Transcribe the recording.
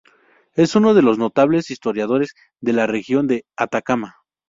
Es uno de los notables historiadores de la región de Atacama.